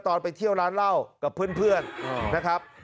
ไปเที่ยวร้านเหล้ากับเพื่อนนะครับ